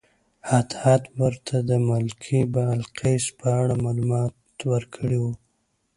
هدهد ورته د ملکې بلقیس په اړه معلومات ورکړي وو.